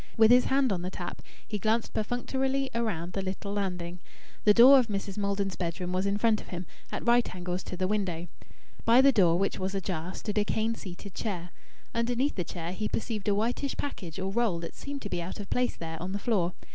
With his hand on the tap, he glanced perfunctorily around the little landing. The door of Mrs. Maldon's bedroom was in front of him, at right angles to the window. By the door, which was ajar, stood a cane seated chair. Underneath the chair he perceived a whitish package or roll that seemed to be out of place there on the floor.